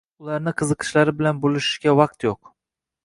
Ularni qiziqishlari bilan boʻlishishga vaqt yo’q.